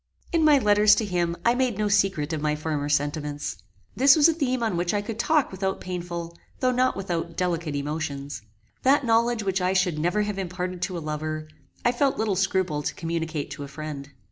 In my letters to him I made no secret of my former sentiments. This was a theme on which I could talk without painful, though not without delicate emotions. That knowledge which I should never have imparted to a lover, I felt little scruple to communicate to a friend.